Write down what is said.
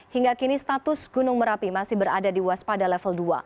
hingga kini status gunung merapi masih berada di waspada level dua